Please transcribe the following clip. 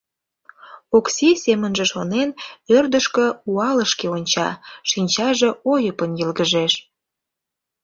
Окси, семынже шонен, ӧрдыжкӧ, уалашке онча, шинчаже ойыпын йылгыжеш...